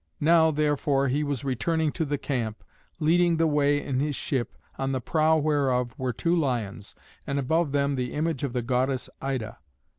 Now, therefore, he was returning to the camp, leading the way in his ship, on the prow whereof were two lions, and above them the image of the goddess Ida.